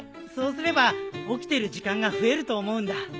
そうすれば起きてる時間が増えると思うんだ。